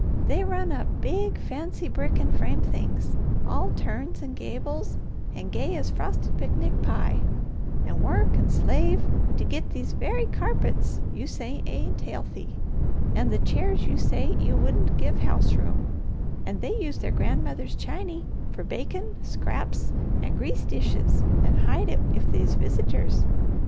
They run up big, fancy brick and frame things, all turns and gables and gay as frosted picnic pie, and work and slave to git these very carpets you say ain't healthy, and the chairs you say you wouldn't give house room, an' they use their grandmother's chany for bakin', scraps, and grease dishes, and hide it if they's visitors.